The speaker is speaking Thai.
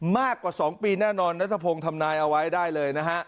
มากกว่า๒ปีแน่นอนนัทพงศ์ทำนายเอาไว้ได้เลยนะฮะ